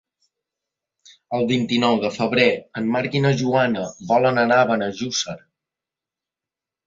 El vint-i-nou de febrer en Marc i na Joana volen anar a Benejússer.